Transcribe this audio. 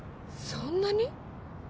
そんなに！？